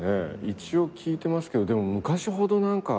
一応聞いてますけどでも昔ほど何か。